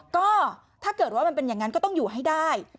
ก็ถ้าเกิดว่ามันเป็นอย่างนั้นก็ต้องอยู่ให้ได้